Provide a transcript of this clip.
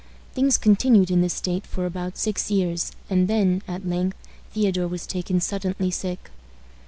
Things continued in this state for about six years, and then, at length, Theodore was taken suddenly sick.